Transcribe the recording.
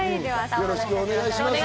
よろしくお願いします。